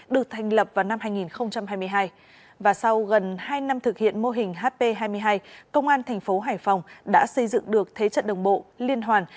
được thành lập vào năm hai nghìn hai mươi hai và sau gần hai năm thực hiện mô hình hp hai mươi hai công an tp hcm đã xây dựng được thế trận đồng bộ liên hoàn